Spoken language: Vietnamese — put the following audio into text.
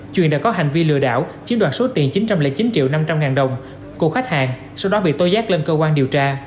truyền đã có hành vi lừa đảo chiếm đoạt số tiền chín trăm linh chín triệu năm trăm linh ngàn đồng của khách hàng sau đó bị tối giác lên cơ quan điều tra